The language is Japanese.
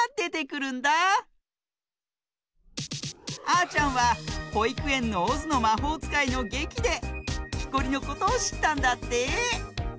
あーちゃんはほいくえんの「オズのまほうつかい」のげきできこりのことをしったんだって。